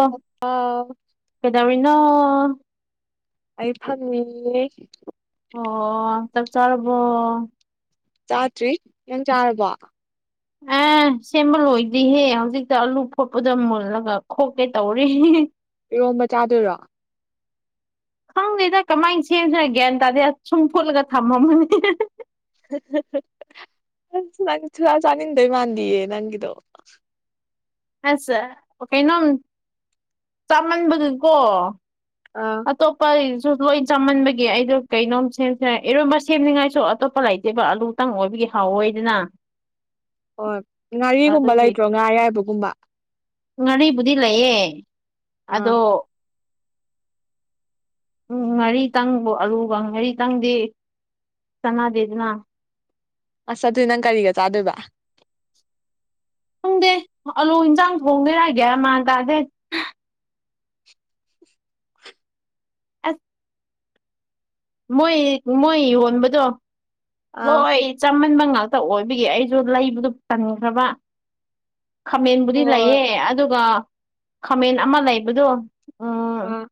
ꯑ ꯑꯥꯎ ꯀꯦꯗꯧꯔꯤꯅꯣ ꯑꯩ ꯐꯝꯃꯤꯌꯦ ꯑꯣ ꯆꯛꯆꯥꯔꯕꯣ ꯆꯥꯇ꯭ꯔꯤ ꯌꯥꯝ ꯆꯥꯔꯕꯣ ꯑꯥ ꯑꯦ ꯁꯦꯝꯕ ꯂꯣꯏꯗ꯭ꯔꯤꯍꯦ ꯍꯧꯖꯤꯛꯇ ꯑꯥꯂꯨ ꯐꯣꯠꯄꯗ ꯃꯨꯜꯂꯒ ꯈꯣꯛꯀꯦ ꯇꯧꯔꯤ ꯏꯔꯣꯝꯕ ꯆꯥꯗꯣꯏꯔꯣ [inaudible] ꯈꯪꯗꯦꯗ ꯀꯃꯥꯏꯅ ꯁꯦꯝꯁꯤꯅꯣ ꯒ꯭ꯌꯥꯟ ꯇꯥꯗꯦ ꯁꯨꯝ ꯐꯣꯠꯂꯒ ꯊꯝꯃꯝꯃꯅꯤ ꯍꯍꯍ ꯅꯪ ꯆꯨꯔ ꯆꯥꯅꯤꯗꯣꯏꯃꯥꯟꯗꯤꯑꯦ ꯅꯪꯒꯤꯗꯣ ꯑ ꯀꯩꯅꯣꯝ ꯆꯥꯃꯟꯕꯒꯤꯀꯣ ꯑꯥ ꯑꯇꯣꯄꯏ ꯁꯨ ꯂꯣꯏ ꯆꯥꯃꯟꯕꯒꯤ ꯑꯩꯗꯣ ꯀꯩꯅꯣꯝ ꯁꯦꯝꯁꯦ ꯏꯔꯣꯏꯕ ꯁꯦꯝꯅꯤꯡꯉꯥꯏꯁꯨ ꯑꯇꯣꯞꯄ ꯂꯩꯇꯦꯕ ꯑꯥꯂꯨꯇꯪ ꯑꯣꯏꯕꯒꯤ ꯍꯥꯎ ꯑꯣꯏꯗꯅ ꯍꯣꯏ ꯉꯥꯔꯤꯒꯨꯝꯕ ꯂꯩꯇ꯭ꯔꯣ ꯉꯥ ꯑꯌꯥꯏꯕꯒꯨꯝꯕ ꯉꯥꯔꯤꯕꯨꯗꯤ ꯂꯩꯌꯦ ꯑꯥ ꯑꯗꯣ ꯎꯝ ꯉꯥꯔꯤ ꯇꯪꯕꯨ ꯑꯂꯨꯕ ꯉꯥꯔꯤ ꯇꯪꯗꯤ ꯆꯥꯟꯅꯗꯦꯗꯅ ꯑꯁ ꯑꯗꯨ ꯅꯪ ꯀꯔꯤꯒ ꯆꯥꯗꯣꯏꯕ ꯈꯣꯡꯗꯦ ꯑꯂꯨ ꯏꯟꯁꯥꯡ ꯊꯣꯡꯗꯔꯥꯑꯒꯦ ꯃꯥꯟ ꯇꯥꯗꯦ ꯑꯁ ꯃꯣꯏ ꯃꯣꯏ ꯌꯣꯟꯕꯗꯣ ꯑꯥ ꯂꯣꯏ ꯆꯃꯟꯕ ꯉ ꯉꯥꯛꯇ ꯑꯣꯏꯕꯒꯤ ꯑꯩꯁꯨ ꯂꯩꯕꯗꯨ ꯆꯟꯈ꯭ꯔꯕ ꯈꯥꯃꯦꯟꯕꯨꯗꯤ ꯍꯣꯏ ꯂꯩꯌꯦ ꯑꯗꯨꯒ ꯈꯥꯃꯦꯟ ꯑꯃ ꯂꯩꯕꯗꯣ ꯎꯝ ꯑꯥ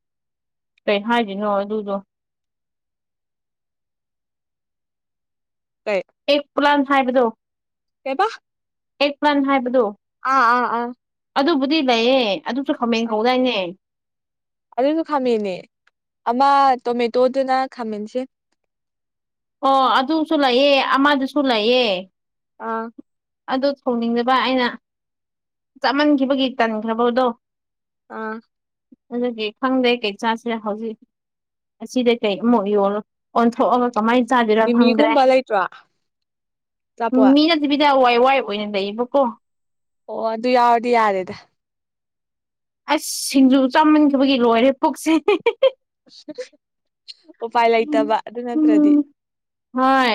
ꯀꯩ ꯍꯥꯏꯁꯤꯅꯣ ꯑꯗꯨꯗꯣ ꯇꯥꯏ ꯄꯨꯂꯥꯟ ꯍꯥꯏꯕꯗꯣ ꯀꯩꯕꯥ ꯑꯦꯛ ꯋꯥꯟ ꯍꯥꯏꯕꯗꯣ ꯑꯥ ꯑꯥ ꯑꯥ ꯑꯗꯨꯕꯨꯗꯤ ꯂꯩꯌꯦ ꯑꯗꯨꯁꯨ ꯈꯥꯃꯦꯟ ꯑꯥ ꯀꯧꯗꯥꯏꯅꯦ ꯑꯗꯨꯁꯨ ꯈꯥꯃꯅꯦ ꯑꯃ ꯇꯣꯃꯦꯇꯣꯗꯨꯅ ꯈꯥꯃꯟꯁꯦ ꯑꯣ ꯑꯗꯨꯁꯨ ꯂꯩꯑꯦ ꯑꯃꯗꯨꯁꯨ ꯂꯩꯑꯦ ꯑꯥ ꯑꯗꯨ ꯊꯣꯡꯅꯤꯡꯖꯕ ꯑꯩꯅ ꯆꯞꯃꯟꯈꯤꯕꯒꯤ ꯇꯟꯈ꯭ꯔꯕꯗꯣ ꯑꯥ ꯑꯗꯨꯗꯤ ꯈꯪꯗ꯭ꯔꯦ ꯀꯩ ꯆꯥꯁꯦ ꯍꯧꯖꯤꯛ ꯑꯁꯤꯗ ꯀꯩ ꯑꯃꯨꯛ ꯑꯣꯟꯊꯣꯛꯑꯒ ꯀꯃꯥꯏꯅ ꯆꯥꯕꯤꯔ ꯐꯪꯗ꯭ꯔꯦ ꯃꯤꯃꯤꯒꯨꯝꯕ ꯂꯩꯇ꯭ꯔꯣ ꯎ ꯑꯆꯥꯄꯣꯠ ꯃꯤꯅꯗꯤꯕꯤꯗꯏ ꯊꯋꯥꯏ ꯑꯣꯏꯅ ꯂꯩꯌꯦꯕꯀꯣ ꯑꯣ ꯑꯗꯨ ꯌꯥꯎꯔꯗꯤ ꯌꯥꯔꯦꯗ ꯑꯁ ꯁꯤꯡꯖꯨ ꯆꯥꯃꯟꯈꯤꯕꯒꯤ ꯂꯣꯏꯔꯦ ꯄꯨꯛꯁꯦ ꯎꯄꯥꯏ ꯂꯩꯇꯕ ꯑꯗꯨ ꯅꯠꯇ꯭ꯔꯗꯤ ꯍꯣꯏ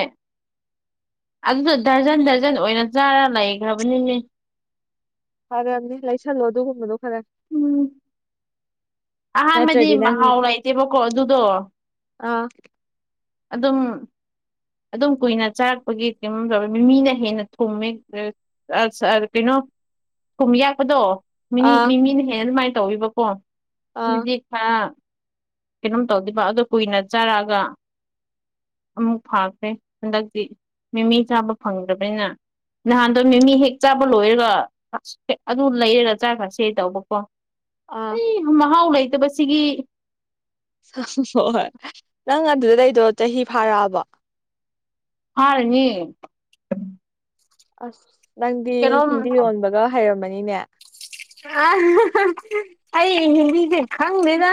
ꯑꯗꯨꯗꯣ ꯗꯔꯖꯟ ꯗꯔꯖꯟ ꯑꯣꯏꯅ ꯆꯥꯔ ꯂꯩꯈ꯭ꯔꯕꯅꯤꯅꯦ ꯐꯔꯝꯅꯦ ꯂꯩꯁꯜꯂꯣ ꯑꯗꯨꯒꯨꯝꯕꯗꯣ ꯈꯔꯦ ꯎꯝ ꯑꯍꯥꯟꯕꯗꯤ ꯃꯍꯥꯎ ꯂꯩꯇꯦꯕꯀꯣ ꯑꯗꯨꯗꯣ ꯑꯥ ꯑꯗꯨꯝ ꯑꯗꯨꯝ ꯀꯨꯏꯅ ꯆꯥꯔꯛꯄꯒꯤ ꯃꯤ ꯃꯤꯅ ꯍꯦꯟꯅ ꯊꯨꯝꯃꯦ ꯀꯩꯅꯣ ꯀꯨꯝ ꯌꯥꯛꯄꯗꯣ ꯃꯤꯅꯤ ꯑꯥ ꯃꯤꯃꯤꯅ ꯍꯦꯟꯅ ꯑꯗꯨꯃꯥꯏꯅ ꯇꯧꯋꯕꯀꯣ ꯑꯥ ꯑꯗꯨꯗꯤ ꯈꯔ ꯀꯩꯅꯣꯝ ꯇꯧꯗꯕ ꯑꯗꯨ ꯀꯨꯏꯅ ꯆꯥꯔꯛꯑꯒ ꯑꯃꯨꯛꯥ ꯍ ꯍꯟꯗꯛꯇꯤ ꯃꯤꯃꯤ ꯆꯥꯕ ꯐꯪꯗ꯭ꯔꯕꯅꯤꯅ ꯅꯍꯥꯟꯗꯣ ꯃꯤꯃꯤ ꯍꯦꯛ ꯆꯥꯕ ꯂꯣꯏꯔꯒ ꯑꯗꯨ ꯂꯩꯔꯒ ꯆꯥꯈ꯭ꯔꯁꯦ ꯇꯧꯕꯀꯣ ꯑꯥ ꯑꯩ ꯃꯍꯥꯎ ꯂꯩꯇꯕꯁꯤꯒꯤ ꯍꯣꯏ ꯍꯣꯏ ꯅꯪ ꯑꯗꯨꯗꯗꯩꯗꯣ ꯆꯍꯤ ꯐꯥꯔꯛꯑꯕ ꯑꯔꯅꯤ ꯑꯁ ꯅꯪꯗꯤ ꯍꯤꯟꯗꯤ ꯌꯣꯟꯕꯒ ꯍꯩꯔꯝꯃꯅꯤꯅꯦ ꯑ ꯑꯩ ꯍꯤꯟꯗꯤꯁꯦ ꯈꯪꯗꯦꯗ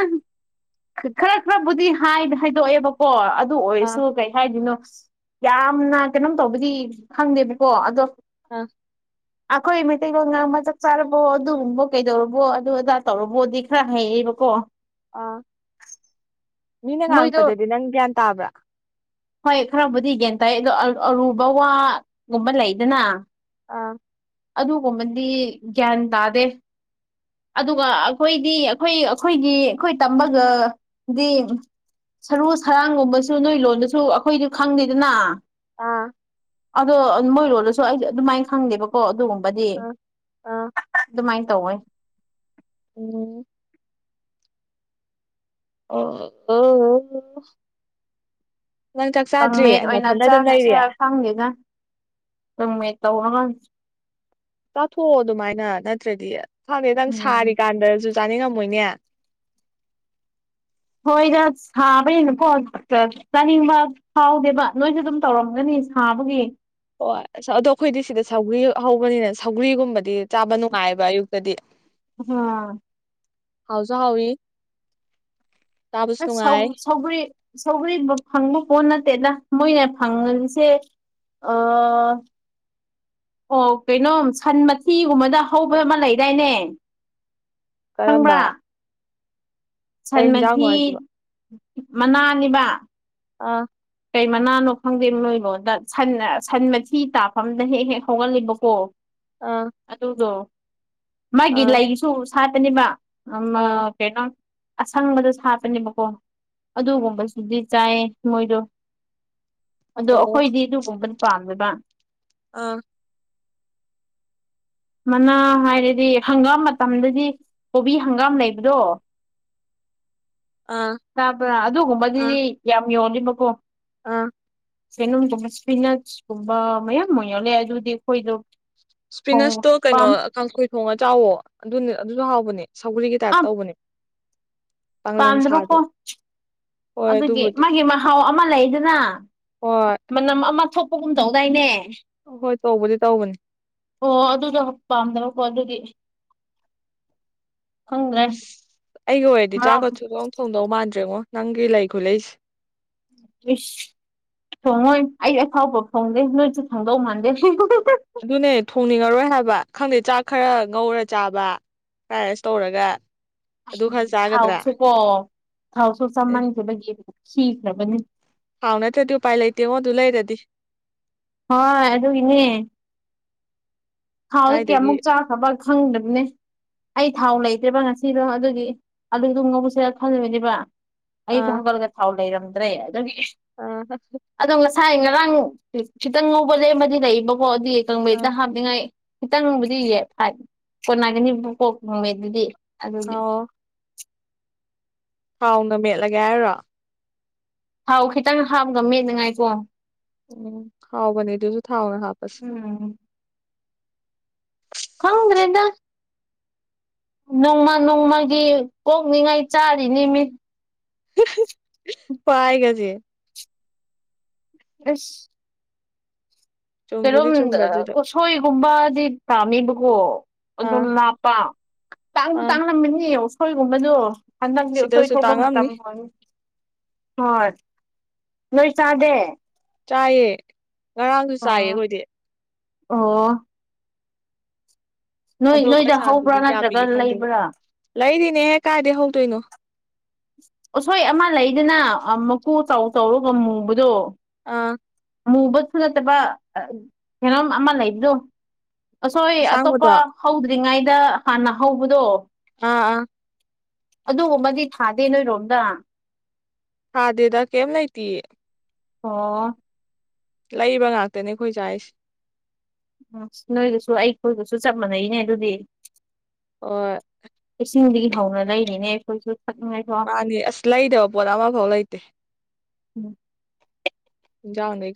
ꯈꯔ ꯈꯔꯕꯨꯗꯤ ꯍꯥꯏꯗꯣꯛꯑꯦꯕꯀꯣ ꯑꯗꯨ ꯑꯥ ꯑꯣꯏꯔꯁꯨ ꯀꯩ ꯍꯥꯏꯗꯣꯏꯅꯣ ꯌꯥꯝꯅ ꯀꯩꯅꯣꯝ ꯇꯧꯕꯗꯤ ꯈꯪꯗꯦꯕꯀꯣ ꯑꯗꯣ ꯑꯥ ꯑꯈꯣꯏ ꯏꯃꯤꯇꯤ ꯉ ꯃ ꯆ ꯆꯔꯣ ꯑꯗꯨꯒꯨꯝꯕꯣ ꯀꯩꯗꯧꯔꯕꯣ ꯑꯗꯨ ꯑꯗꯥ ꯇꯧꯔꯕꯣꯗꯤ ꯈꯔ ꯍꯩꯔꯕꯀꯣ ꯑ ꯃꯤꯅ ꯃꯣꯏꯗꯣ ꯉꯥꯡꯉꯛꯄꯗꯗꯤ ꯅꯪ ꯒ꯭ꯌꯥꯟ ꯇꯥꯕ꯭ꯔꯥ ꯑꯩ ꯑꯗꯣ ꯑꯔꯨꯕ ꯋꯥꯒꯨꯝꯕ ꯂꯩꯗꯅ ꯑꯥ ꯑꯗꯨꯒꯨꯝꯕꯗꯤ ꯒ꯭ꯌꯥꯟ ꯇꯥꯗꯦ ꯑꯗꯨꯒ ꯑꯩꯈꯣꯏꯗꯤ ꯑꯩꯈꯣꯏ ꯑꯩꯈꯣꯏꯒꯤ ꯑꯩꯈꯣꯏ ꯇꯝꯕꯒꯗꯤ ꯁꯔꯨ ꯁꯔꯥꯡꯒꯨꯝꯕꯁꯨ ꯅꯣꯏ ꯂꯣꯟꯗꯁꯨ ꯑꯩꯈꯣꯏꯁꯨ ꯈꯪꯗꯦꯗꯅ ꯑꯥ ꯑꯗꯣ ꯃꯣꯏꯔꯣꯜꯗꯁꯨ ꯑꯩꯗꯤ ꯑꯗꯨꯃꯥꯏꯅ ꯈꯪꯗꯦꯕꯀꯣ ꯑꯗꯨꯒꯨꯝꯕꯗꯤ ꯑꯥ ꯑꯥ ꯑꯗꯨꯃꯥꯏꯅ ꯇꯧꯋ‌ꯦ ꯎꯝ ꯑꯣ ꯑ [unintelligible] ꯀꯪꯃꯦꯠ ꯑꯣꯏꯅ ꯆꯥꯒ꯭ꯔꯁꯤꯔ ꯈꯪꯗꯦꯗ ꯀꯥꯡꯃ‌ꯦꯠ ꯇꯧꯔꯒ ꯆꯥꯊꯣꯛꯑꯣ ꯑꯗꯨꯃꯥꯏꯅ ꯅꯠꯇ꯭ꯔꯗꯤ ꯈꯪꯗ‌ꯦ ꯎꯝ ꯁꯥꯔꯤꯀꯥꯟꯗꯁꯨ ꯆꯥꯅꯤꯡꯉꯝꯃꯣꯏꯅꯦ ꯍꯣꯏꯗ ꯁꯥꯕꯅꯤꯅꯀꯣ ꯆꯥꯅꯤꯡꯕ ꯐꯥꯎꯗꯦꯕ ꯅꯣꯏꯁꯨ ꯑꯗꯨꯝ ꯇꯧꯔꯝꯒꯅꯤ ꯁꯥꯍꯕꯒꯤ ꯍꫭꯏ ꯑꯁ ꯑꯗꯣ ꯑꯩꯈꯣꯏꯁꯤꯗ ꯁꯧꯒ꯭ꯔꯤ ꯍꯧꯕꯅꯤꯅ ꯁꯧꯒ꯭ꯔꯤꯒꯨꯝꯕꯗꯤ ꯆꯥꯕ ꯅꯨꯡꯉꯥꯏꯑꯕ ꯑꯌꯨꯛꯇꯗꯤ ꯎꯝ ꯍꯥꯎꯖꯣ ꯍꯥꯎꯏ ꯑꯁ ꯍꯩ ꯁꯒꯔꯤ ꯁꯒꯔꯤ ꯐꯪꯅ‌ꯦ ꯄꯣꯟ ꯅꯠꯇꯦꯗ ꯃꯣꯏꯅ ꯐꯪꯉꯜꯂꯤꯁꯦ ꯑ ꯑꯣ ꯀꯩꯅꯣ ꯁꯟ ꯃꯊꯤꯒꯨꯝꯕꯗ ꯍꯧꯕ ꯑꯃ ꯂꯩꯗꯥꯏꯅꯦ ꯀꯔꯝꯕ ꯀꯩ ꯍꯤꯟꯖꯥꯡꯅꯣ ꯁꯟꯃꯊꯤ ꯍꯥꯏꯁꯤꯕꯣ ꯃꯅꯥꯅꯤꯕ ꯑꯥ ꯀꯩ ꯃꯅꯥꯅꯣ ꯈꯪꯗꯦ ꯅꯣꯏꯕꯣꯗ ꯁꯟ ꯁꯟ ꯃꯊꯤ ꯇꯥꯐꯝꯗ ꯍꯦꯛ ꯍꯦꯛ ꯍꯧꯒꯜꯂꯤꯕꯀꯣ ꯑꯥ ꯑꯗꯨꯗꯣ ꯃꯥꯒꯤ ꯑꯥ ꯂꯩꯁꯨ ꯁꯥꯠꯇꯅꯦꯕ ꯑꯃ ꯑꯥ ꯀꯩꯅꯣ ꯑꯁꯪꯕꯗ ꯁꯥꯠꯄꯅꯦꯕꯀꯣ ꯑꯗꯨꯒꯨꯝꯕꯁꯨꯗꯤ ꯆꯥꯏꯌꯦ ꯃꯣꯏꯗꯣ ꯑꯗꯣ ꯑꯣ ꯑꯩꯈꯣꯏꯗꯤ ꯑꯗꯨꯒꯨꯝꯕꯗꯤ ꯄꯥꯝꯃꯦꯕ ꯑꯥ ꯃꯅꯥ ꯍꯥꯏꯔꯗꯤ ꯍꯪꯒꯥꯝ ꯃꯇꯝꯗꯗꯤ ꯀꯣꯕꯤ ꯍꯪꯒꯥꯝ ꯂꯩꯕꯗꯣ ꯑꯥ ꯇꯕ꯭ꯔꯥ ꯑꯗꯨꯒꯨꯝꯕꯗꯨꯗꯤ ꯑꯥ ꯌꯥꯝ ꯌꯣꯜꯂꯤꯕꯀꯣ ꯑꯥ ꯆ‌ꯦꯡꯒꯨꯝꯕꯁꯤꯅ ꯁꯨꯡꯕ ꯃꯌꯥꯝ ꯃꯌꯜꯂ ꯑꯗꯨꯗꯤ ꯑꯩꯈꯣꯏꯗꯣ ꯊꯣꯡꯕ ꯏꯁꯄꯤꯅꯁꯇꯣ ꯀꯩꯅꯣ ꯄꯥꯝ ꯀꯥꯡꯁꫭ ꯊꯣꯡꯉ ꯆꯥꯎꯋꯣ ꯑꯗꯨ ꯑꯗꯨꯁꯨ ꯍꯥꯎꯕꯅꯦ ꯁꯧꯒꯔꯤꯒꯤ ꯇꯥꯏꯞ ꯇꯧꯕꯅꯦ ꯄꯥꯡꯂꯪ ꯁꯥꯗꯣ ꯄꯟꯗꯕꯀꫭ ꯍꯣꯏ ꯑꯗꯨꯒꯤ ꯑꯗꯨꯕꯨꯗꯤ ꯃꯥꯒꯤ ꯃꯍꯥꯎ ꯑꯃ ꯂꯩꯗꯅ ꯍꯣꯏ ꯃꯅꯝ ꯑꯃ ꯊꯣꯛ ꯍꫭꯛꯀꯨꯝ ꯇꯧꯗꯥꯏꯅꯦ ꯍꯣꯏ ꯇꯧꯕꯗꯤ ꯇꯧꯕꯅꯦ ꯑꯣ ꯑꯗꯨꯗꯣ ꯄꯥꯝꯗꯕ ꯍꯣ ꯑꯗꯨꯗꯤ ꯈꯪꯗ꯭ꯔꯦ ꯑꯁ ꯑꯩꯒꯤ ꯑꯣꯏꯔꯗꯤ ꯃꯔꯥꯎ ꯆꯥꯛꯀ ꯁꯨꯡꯊꫭꯡ ꯊꯣꯡꯗꯧ ꯃꯥꯟꯗ꯭ꯔꯦꯉꯣ ꯅꯪꯒꯤ ꯂꯩ ꯈꯨꯂꯩꯁꯦ ꯏꯁ ꯊꯣꯡꯉꯣꯏ ꯑꯩ ꯑꯐꯥꯎꯕ ꯐꯣꯡꯗꯦ ꯅꯣꯏꯁꯨ ꯊꫭꯡꯗꯧ ꯃꯥꯟꯗꯦ ꯑꯗꯨꯅꯦ ꯊꯣꯡꯅꯤꯡꯉꯔꯣꯏ ꯍꯥꯏꯕ ꯈꯪꯗꯦ ꯆꯥꯛ ꯈꯔ ꯉꯧꯔ ꯆꯥꯕ ꯐ꯭ꫪꯥꯏꯔꯥꯁ ꯇꯧꯔꯒ ꯑꯗꯨ ꯈꯔ ꯆꯥꯒꯗ꯭ꯔꯥ ꯊꯥꯎꯁꯨꯀꯣ ꯊꯥꯎꯁꯨ ꯆꯃꯟꯈꯤꯕꯒꯤ ꯈ꯭ꯔꯤꯈꯕꯅꯤ ꯍꯥꯎꯅꯠꯇ ꯎ ꯄꯥꯏ ꯂꯩꯇꯦ ꯑꯣ ꯑꯗꯨ ꯂꯩꯔꯗꯤ ꯍꯣꯏ ꯑꯗꯨꯒꯤꯅꯦ ꯊꯥꯎꯗꯤ ꯀꯥꯏꯗꯒꯤ ꯀꯌꯥꯃꯨꯛ ꯆꯥꯈꯕ ꯈꯪꯗꯕꯅꯦ ꯑꯩ ꯊꯥꯎ ꯂꯩꯇ꯭ꯔꯦꯕ ꯉꯁꯤꯗꯣ ꯑꯗꯨꯒꯤ ꯑꯗꯨꯗꫭ ꯉꯧꯁꯔ ꯈꯜꯂꯕꯅꯦꯕ ꯑꯩꯗꫭ ꯑꯥ ꯍꯧꯒꯠꯂꯒ ꯊꯥꯎ ꯂꯩꯔꯝꯗ꯭ꯔꯦ ꯑꯗꯨꯒꯤ ꯑꯥ ꯑꯗꯣ ꯉꯁꯥꯏ ꯉ ꯉꯔꯥꯡ ꯈꯤꯇꯪ ꯉꯧꯕ ꯂꯦꯝꯕꯗꯤ ꯂꯩꯕꯀꯣ ꯑꯗꯨꯗꯤ ꯑꯥ ꯀꯪꯕꯩꯦꯇ ꯍꯥꯞꯅꯤꯡꯉꯥꯏ ꯈꯤꯇꯪꯕꯨꯗꯤꯌꯦ ꯐꯥꯏ ꯀꯣꯟꯅꯒꯅꯤꯕꯨꯀꯣ ꯀꯥꯡꯃꯦꯠ ꯑꯗꯨꯗꯤ ꯑꯗꯨꯅꯦ ꯍꯥꯎꯅ ꯃꯦꯠꯂꯒꯦ ꯍꯥꯏꯔꯣ ꯊꯥꯎ ꯈꯤꯇꯪ ꯍꯥꯝꯒ ꯃꯠꯅꯉꯥꯏꯀꯣ ꯎꯝ ꯍꯥꯎꯕꯅꯤꯗꯁꯨ ꯊꯥꯎ ꯍꯥꯄꯁ‌ꯦ ꯎꯝ ꯈꯪ꯭ꯔꯦꯗ ꯅꯣꯡꯃ ꯅꯣꯡꯃꯒꯤ ꯀꯣꯛꯅꯤꯉꯥꯏ ꯆꯥꯔꯤꯅꯤ ꯃꯤꯠ ꯄꯥꯏꯒꯦꯁꯦ ꯑꯁ ꯆꯨꯝꯕꯨꯗꯤ ꯀꯝ ꯆꯨꯝꯕ ꯑꯗꯨꯗꯣ ꯎꯁꯣꯏꯒꯨꯝꯕꯗꯤ ꯄꯥꯝꯃꯤꯕꯀꯣ ꯑꯗꯨꯝ ꯑꯥ ꯂꯥꯞꯄ ꯇꯥꯡꯁꯨ ꯑꯥ ꯇꯥꯡꯂꯝꯃꯤꯅꯤ ꯎꯁꯣꯏꯒꯨꯝꯕꯗꯣ ꯍꯟꯗꯛꯗꯤ ꯎꯁꯣꯏ ꯁꯤꯗꯁꯨ ꯁꯣꯛꯄ ꯃꯇꯝ ꯇꯥꯡꯉꯝꯅꯤ ꯍ ꯍꯣꯏ ꯅꯣꯏ ꯆꯥꯗꯦ ꯆꯥꯏꯌꯦ ꯉꯔꯥꯡꯁꯨ ꯆꯥꯏꯌꯦ ꯑꯣ ꯑꯩꯈꯣꯏꯗꯤ ꯑꯣ ꯅꯣꯏ ꯑꯗꯣ ꯅꯣꯏꯗ ꯍꯧꯕ꯭ꯔꯥ ꯄꯩꯁꯥꯗꯨꯗꯤ ꯀꯌꯥ ꯅꯠꯇ꯭ꯔꯒ ꯄꯤꯒꯦ ꯈꯪꯗꯦꯕ ꯂꯩꯕ꯭ꯔꯥ ꯂꯩꯔꯤꯅꯦꯍꯦ ꯀꯥꯏꯗ ꯍꯧꯗꯣꯏꯅꯣ ꯎꯁꯣꯏ ꯑꯃ ꯂꯩꯗꯅ ꯃꯀꯨ ꯆꯥꯎꯧ ꯆꯥꯎꯧꯔꯒ ꯃꯨꯕꯗꯣ ꯑꯥ ꯃꯨꯕꯁꯨꯨ ꯅꯠꯇꯕ ꯀꯦꯩꯅꯣꯝ ꯑꯃ ꯂꯩꯕꯗꯣ ꯑꯁꯣꯏ ꯑꯁꯥꯡꯕꯗꯣ ꯑꯇꯣꯞꯄ ꯑꯥ ꯍꯧꯗ꯭ꯔꯤꯉꯩꯗ ꯍꯥꯟꯅ ꯍꯧꯕꯗꯣ ꯑꯥ ꯑꯥ ꯑꯗꯨꯒꯨꯝꯕꯗꯤ ꯊꯥꯗꯦ ꯅꯣꯏꯔꯣꯝꯗ ꯍꯥꯥ ꯗꯦꯗꯥ ꯀꯦꯝ ꯂꯥꯛꯇ ꯑꯣ ꯂꯩꯕ ꯉꯥꯛꯇꯅꯦ ꯑꯩꯈꯣꯏ ꯆꯔꯤꯁꯦ ꯎꯝ ꯅꯣꯏꯒꯁꯨ ꯑꯩꯈꯣꯏꯒꯁꯨ ꯆꯞ ꯃꯥꯟꯅꯩꯅꯦ ꯑꯗꯨꯗꯤ ꯍꯣꯏ ꯆꯤꯡꯗꯒꯤ ꯍꯧꯅ ꯂꯩꯔꯤꯅꯦ ꯑꯩꯈꯣꯏꯁꯨ ꯊꯛꯅꯤꯡꯉꯥꯏꯀꯣ ꯃꯥꯅꯤ ꯑꯁ ꯂꯩꯗꯕ ꯄꯣꯠ ꯑꯃꯐꯥꯎ ꯂꯩꯇꯦ ꯎꯝ ꯌꯥꯅ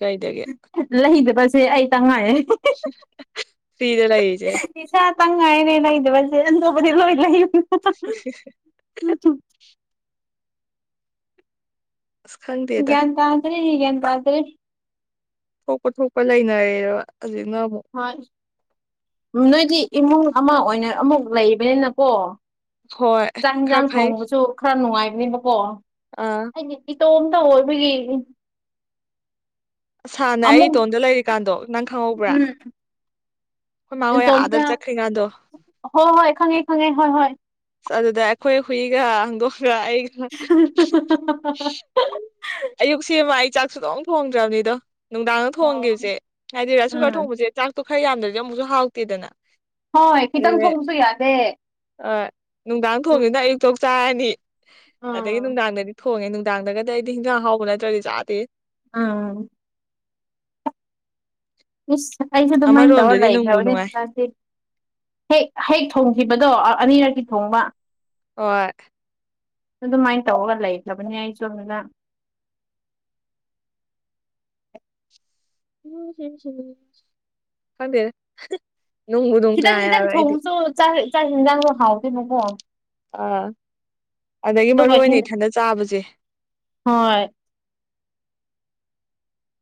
ꯂꯩꯗꯕꯁꯦ ꯑꯩ ꯇꯉꯥꯏ ꯐꯤꯗ ꯂꯩꯏꯁꯦ ꯇꯪ ꯉꯥꯏꯅꯦ ꯅꯩꯗꯕꯁꯦꯗꯧꯕꯗꯤ ꯂꯣꯏ ꯂꯩ [inaudible] ꯑꯁ ꯒꯤ ꯈꯪꯗꯦꯗ ꯌꯥ ꯇꯗꯔꯤ ꯍꯒ ꯇꯥꯇ꯭ꯔꯤ ꯊꯣꯛꯄ ꯊꯣꯛꯄ ꯂꯩꯅꯔꯦꯔ ꯍꯣꯏ ꯅꯣꯏꯗꯤ ꯏꯃꯨꯡ ꯑꯃ ꯑꯣꯏꯅ ꯑꯃꯨꯛ ꯂꯩꯕꯅꯤꯅꯀꯣ ꯍꯣꯏ ꯆꯥꯛ ꯈꯔ ꯌꯦꯟꯁꯥꯡ ꯐꯩ ꯊꯣꯡꯕꯁꯨ ꯈꯔ ꯅꯨꯡꯉꯥꯏꯕꯅꯦꯕꯀꯣ ꯑꯥ ꯇꯣꯝꯗ ꯍꯧꯔꯕꯤ ꯀ ꯁꯥꯅꯦ ꯑꯩ ꯏꯇꯣꯝꯗ ꯂꯩꯔꯤꯀꯥꯟꯗꯣ ꯅꯪ ꯈꯪꯍꯧꯕ꯭ꯔꯥ ꯑꯩꯈꯣꯏ ꯃꯥ ꯍꯣꯏ ꯑꯥꯗ ꯇꯣꯝꯀ ꯆꯠꯈ꯭ꯔꯤꯀꯥꯟꯗꯣ ꯍꯣꯏ ꯍꯣꯏ ꯈꯪꯉꯦ ꯈꯪꯉꯦ ꯍꯣꯏ ꯍꯣꯏ ꯑꯗꯨꯗ ꯑꯩꯈꯣꯏ ꯍꯨꯏꯒ ꯍꯪꯗꯣꯛ ꯑꯌꯨꯛ ꯁꯤ ꯋꯥꯏ ꯆꯥꯛꯁꯨ ꯂꯣꯡ ꯊꯣꯡꯗ꯭ꯔꯕꯅꯤꯗꯣ ꯅꯨꯡꯗꯥꯡ ꯊꯣꯡꯈꯤꯕꯁꯦ ꯍꯥꯏꯗꯤ ꯔꯁ ꯁꯨꯒꯔ ꯎꯝ ꯊꯣꯡꯕꯁꯦ ꯆꯥꯛ ꯇꯣ ꯈꯔ ꯌꯥꯝꯗ꯭ꯔꯗꯤꯦ ꯑꯃꯨꯛꯁꯨ ꯍꯥꯎꯇꯦꯗꯅ ꯍꯣꯏ ꯈꯤꯇꯪ ꯑꯗꯨꯅꯦ ꯊꯣꯡꯁꯨ ꯌꯥꯗꯦ ꯑꯥ ꯅꯨꯡꯗꯥꯡ ꯎꯝ ꯊꯣꯝꯁꯤꯅ ꯑꯌꯨꯛꯛꯇ ꯆꯥꯔꯅꯤ ꯑꯗꯒꯤ ꯎꯝ ꯅꯨꯡꯗꯥꯡꯗꯗꯤ ꯊꯣꯡꯉꯦ ꯅꯨꯡꯗꯥꯡꯗꯒꯗꯤ ꯑꯩꯗꯤ ꯍꯤꯟꯖꯥꯡ ꯍꯥꯎꯕ ꯅꯠꯇ꯭ꯔꯗꯤ ꯆꯥꯗꯦ ꯑꯥ [inaudible] ꯑꯩꯁꯨ ꯑꯗꯨꯃꯥꯏꯅ ꯇꯧꯔ ꯑꯃꯔꯣꯝꯗꯗꯤ ꯅꯨꯡꯕꯨ ꯂꯩꯈ꯭ꯔꯕꯅꯦ ꯅꯨꯡꯉꯥꯏ ꯆ ꯍꯦꯛ ꯍꯦꯛ ꯊꯣꯡꯈꯤꯕꯗꯣ ꯑꯅꯤꯔꯛꯀꯤ ꯊꯣꯡꯕ ꯑꯣ ꯑꯗꯨꯃꯥꯏꯅ ꯇꯧꯔꯒ ꯂꯩꯈꯕꯅꯦ ꯑꯩꯁꯨꯣꯃꯤꯗ [inaudible] ꯀꯪꯗꯔ ꯈꯤꯇꯪ ꯈꯤꯇꯪ ꯊꯣꯡꯁꯨ ꯆꯥꯛ ꯆꯥꯛ ꯌꯦꯟꯖꯥꯡꯁꯨ ꯍꯥꯎꯗꯣꯏꯅꯀꯣ ꯑꯥ ꯑꯗꯒꯤ ꯃꯔꯨ ꯑꯗꯨꯒ ꯑꯣꯏꯅ ꯍꯤꯟ ꯏꯊꯟꯗ ꯆꯥꯕꯁꯦ [unintelligible]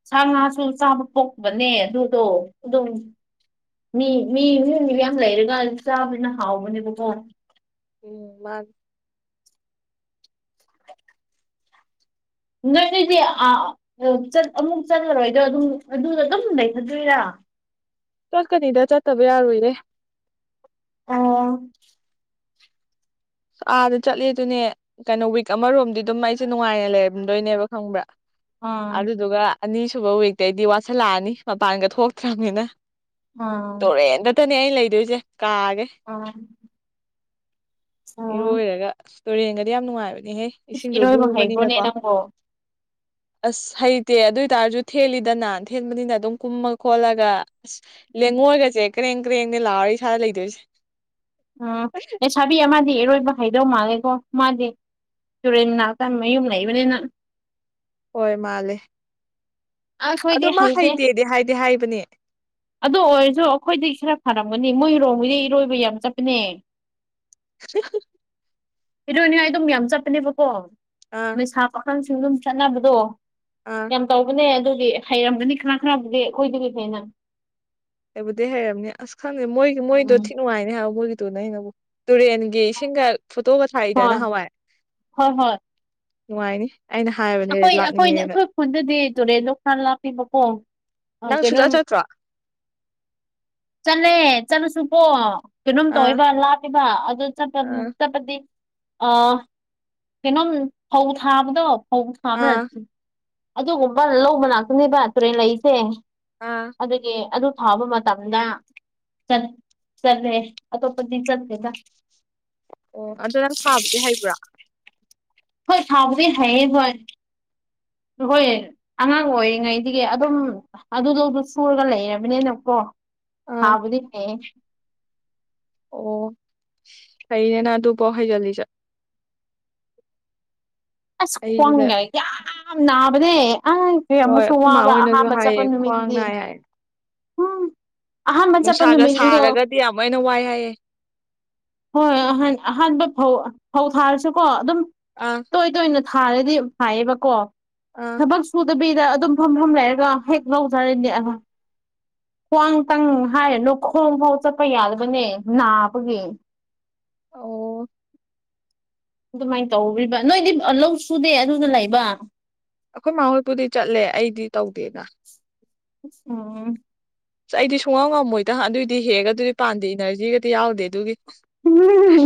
ꯁꯥ ꯉꯥꯁꯨ ꯆꯥꯕ ꯄꯣꯛꯄꯅꯦ ꯑꯗꯨꯗꯣ ꯑꯗꯨꯝ ꯃꯤ ꯃꯤ ꯃꯤꯏꯅꯤꯕ ꯌꯥꯝ ꯂꯩꯔꯒ ꯆꯥꯕꯅꯤꯅ ꯍꯥꯎꯕꯅꯦꯕ ꯐꯣꯟ ꯎꯝ ꯃꯥ ꯅꯣꯏ ꯅꯣꯏꯗꯤ ꯑꯃꯨꯛ ꯆꯠꯂꯔꯣꯏꯗꯣ ꯑꯗꯨꯝ ꯑꯗꯨꯗ ꯑꯗꯨꯝ ꯂꯩꯊꯗꯣꯏꯔꯥ [inaudible] ꯆꯠꯀꯅꯤꯗ ꯆꯠꯇꯕ ꯌꯥꯔꯣꯏꯔꯦ ꯑ ꯑꯥꯗ ꯆꯠꯂꯦ ꯑꯗꯨꯅꯦ ꯀꯩꯅꯣ ꯋꯤꯛ ꯑꯃꯔꯣꯝꯗꯤ ꯑꯗꯨꯝ ꯑꯩꯁꯦ ꯅꯨꯡꯉꯥꯏꯅ ꯂꯩꯔꯝꯗꯣꯏꯅꯦꯕ ꯈꯪꯕ꯭ꯔꯥ ꯑꯥ ꯑꯗꯨꯗꯨꯒ ꯑꯅꯤꯁꯨꯕ ꯋꯤꯛꯇꯇꯩꯒꯤꯗꯤ ꯋꯥꯠꯁꯤꯜꯂꯛꯑꯅꯤ ꯃꯄꯥꯟꯒ ꯊꯣꯛꯇ꯭ꯔꯕꯅꯤꯅ ꯑꯥ ꯛꯇꯅꯦ ꯑꯩꯅ ꯂꯩꯗꯣꯏꯁꯦ ꯀꯥꯒꯦ ꯑꯥ ꯑꯣ ꯏꯔꯣꯏꯔꯒ ꯇꯨꯔꯦꯟꯒꯗꯤ ꯌꯥꯝ ꯅꯨꯡꯉꯥꯏꯕꯅꯦꯍꯦ ꯏꯁ ꯏꯁꯤꯡꯗꯣ ꯏꯔꯣꯏꯕ ꯍꯩꯕ꯭ꯔꯣꯅꯦ ꯂꯨꯕꯅꯤꯅꯀꯣ ꯅꯪꯕꯣ ꯑꯁ ꯍꯩꯇꯦ ꯑꯗꯨ ꯑꯣꯏ ꯇꯔꯁꯨ ꯊꯦꯜꯂꯤꯗꯅ ꯊꯦꯟꯕꯅꯤꯅ ꯑꯗꯨꯝ ꯀꯨꯝꯃ ꯈꯣꯠꯂꯒ ꯑꯁ ꯂꯦꯡꯉꯣꯏꯒꯁꯦ ꯀꯔꯦꯡ ꯀꯔꯦꯡꯅꯦ ꯂꯥꯛꯑꯣꯔ ꯏꯁꯥꯗ ꯂꯩꯗꯣꯏꯁꯦ ꯑ ꯁꯥꯕꯤ ꯑ ꯗꯤ ꯏꯔꯣꯏꯕ ꯍꯥꯏꯩꯗꯧ ꯃꯥꯜꯂꯦꯀꯣ ꯃꯥꯗꯤ ꯇꯨꯔꯦꯟ ꯅꯥꯛꯇ ꯃꯌꯨꯝ ꯂꯩꯕꯅꯤꯅ ꯍꯣꯏ ꯃꯥꯂꯦ ꯑ ꯑꯩꯈꯣꯏꯗꯤ ꯍꯩꯗꯦ ꯍꯥꯏꯗꯤ ꯍꯥꯏꯕꯅꯦ ꯑꯗꯨ ꯑꯣꯏꯔꯁꯨ ꯑꯩꯈꯣꯏꯗꯤ ꯈꯔ ꯐꯔ ꯈꯒꯅꯤ ꯃꯣꯏꯔꯣꯝꯒꯤꯗꯤ ꯏꯔꯣꯏꯕ ꯌꯥꯝ ꯆꯠꯄꯅꯦ [unintelligible] ꯏꯔꯣꯏꯅꯦꯉꯥꯏ ꯑꯗꯨꯝ ꯌꯥꯝ ꯆꯠꯄꯅꯦꯕꯀꯣ ꯑꯥ ꯂꯩꯩꯁꯥ ꯄꯥꯈꯪꯁꯤꯡ ꯑꯗꯨꯝ ꯆꯠꯅꯕꯗꯣ ꯑꯥ ꯌꯥꯝ ꯇꯧꯕꯅꯦ ꯑꯗꯨꯗꯤ ꯍꯩꯔꯝꯒꯅꯤ ꯈꯅꯥ ꯈꯔꯕꯨꯗꯤ ꯑꯩꯈꯣꯏꯗꯨꯗꯤ ꯐꯩꯅ ꯑꯩꯕꯨꯗꯤ ꯍꯩꯔꯕꯝꯅꯤ ꯑꯁ ꯈꯪꯗꯦ ꯃꯣꯏꯒꯤ ꯃꯣꯏꯗꯣ ꯎꯝ ꯊꯤ ꯅꯨꯡꯉꯥꯏꯅꯦ ꯍꯥꯏꯕ ꯃꯣꯏꯒꯤꯗꯨꯣ ꯅ ꯑꯩꯅꯕꯨ ꯇꯨꯔꯦꯟꯒꯤ ꯏꯁꯤꯡꯒ ꯐꯣꯇꯣꯒ ꯊꯥꯏꯗꯅ ꯍꯣꯏ ꯍꯋꯥꯏ ꯍꯣꯏ ꯍꯣꯏ ꯅꯨꯡꯉꯥꯏꯅꯤ ꯑꯩꯅ ꯍꯥꯏꯕꯅꯦ ꯑꯩꯈꯣꯏ ꯑꯩꯈꯣꯏ ꯂꯥꯛꯅꯤꯡꯉꯦꯅ ꯑꯩꯈꯣꯏ ꯈꯨꯟꯗꯗꯤ ꯇꯨꯔꯦꯟ ꯂꯣꯛꯀꯥꯟ ꯂꯥꯛꯄꯤꯕꯀꯣ ꯅꯪ ꯁꯨꯖꯥ ꯆꯠꯇ꯭ꯔꯣ ꯆꯂꯦ ꯆꯠꯂꯨꯁꯨꯕꯣ ꯀꯩꯅꯝ ꯑꯥ ꯇꯧꯏꯕ ꯂꯥꯛꯄꯤꯕ ꯑꯗꯨꯠꯄ ꯑꯥ ꯆꯠꯄꯗꯤ ꯑ ꯀꯩꯅꯣꯝ ꯐꯧ ꯊꯥꯕꯗꯣ ꯐꯧ ꯊꯥꯕ꯭ꯔꯥ ꯑꯥ ꯑꯗꯨ ꯑꯗꯨꯒꯨꯝꯕ ꯂꯧꯕ ꯉꯥꯛꯇꯅꯦꯕ ꯇꯨꯔꯦꯟ ꯂꯩꯁꯦ ꯑꯥ ꯑꯗꯨꯗꯒꯤ ꯑꯗꯨ ꯊꯥꯕ ꯃꯇꯝ ꯆꯠ ꯆꯠꯂꯦ ꯑꯇꯣꯞꯄꯗꯤ ꯆꯠꯂꯦꯗ ꯑꯣ ꯑꯗꯨ ꯅꯪ ꯊꯥꯕꯁꯦ ꯍꯩꯕ꯭ꯔꯥ ꯍꯣꯏ ꯊꯥꯎꯣꯏ ꯍꯥꯏꯌꯦꯕ ꯍꯣꯏ ꯑꯉꯥꯡ ꯑꯣꯏꯔꯤꯉꯩꯗꯒꯤ ꯑꯗꯨꯝ ꯑꯗꯨꯗꯧꯗꯨ ꯁꯨꯔꯒ ꯂꯩꯔꯕꯅꯤꯅꯀꯣ ꯑꯥ ꯍꯥꯥꯕꯗꯤ ꯐꯩꯌꯦ ꯑꯣ ꯐꯅꯦꯅ ꯑꯗꯨꯕꯣ ꯍꯩꯖꯤꯜꯂꯤꯁꯠ ꯑꯁ ꯑꯩꯁꯤꯗ ꯈ꯭ꯋꯥꯣꯡꯉꯦ ꯌꯥꯝ ꯅꯥꯕꯅꯦ ꯑꯩꯪ ꯀꯩ ꯍꯣꯏ ꯑꯃꯨꯛꯁꯨ ꯑꯩꯈꯣꯏ ꯃꯥ ꯋꯥꯕ ꯍꯣꯏꯅꯁꯨ ꯑꯍꯥꯟꯕ ꯆꯠꯄ ꯍꯥꯏꯌꯦ ꯈ꯭ꯋꯥꯡ ꯅꯨꯃꯤꯠꯇꯗꯤ ꯅꯥꯏ ꯍꯥꯏ ꯅꯨꯡꯁꯥꯒ ꯁꯥꯔꯒꯗꯤ ꯌꯥꯝꯅ ꯋꯥꯏ ꯍꯥꯏꯌꯦ ꯍꯣꯏ ꯍꯣꯏꯍ ꯑꯍꯥꯟꯕ ꯐꯧ ꯐꯧ ꯊꯥꯔꯁꯨꯀꯣ ꯑꯗꯨꯝ ꯑꯥ ꯇꯣꯏ ꯇꯣꯏꯅ ꯊꯥꯔꯗꯤ ꯍꯥꯏꯌꯦꯕꯀꯣ ꯑꯥ ꯊꯕꯛ ꯁꯨꯗꯕꯤ ꯁꯤꯗ ꯑꯗꯨꯝ ꯐꯝꯐꯝ ꯂꯩꯔꯒ ꯍꯦꯛ ꯂꯧꯖꯔꯅꯦ ꯑ ꯈ꯭ꯋꯥꯡ ꯇꯪ ꯍꯥꯏꯔꯅꯨ ꯈꯣꯡ ꯐꯥꯎ ꯆꯠꯄ ꯌꯥꯗꯕꯅꯦ ꯅꯥꯕꯒꯤ ꯑꯣ ꯑꯗꯨꯃꯥꯏꯅ ꯇꯧꯔꯤꯕ ꯅꯣꯏꯗꯤ ꯂꯧ ꯁꯨꯗꯦ ꯑꯗꯨꯗ ꯂꯩꯕ ꯑꯩꯈꯣꯏ ꯃꯥ ꯍꯣꯏꯄꯨꯗꯤ ꯆꯠꯂꯦ ꯑꯩꯗꯤ ꯇꯧꯗꯦꯅ ꯑꯆꯥꯥ ꯑꯁ ꯑꯩꯗꯤ ꯁꯨꯡꯉꯝ ꯉꯝꯃꯣꯏꯗꯪ ꯑꯗꯨꯑꯣꯏꯗꯤ ꯍꯦꯛꯒ ꯑꯗꯨꯗꯤ ꯄꯥꯟꯗꯦ ꯏꯅꯔꯖꯤꯒꯗꯤ ꯌꯥꯎꯗꯦ ꯑꯗꯨꯒꯤ ꯍ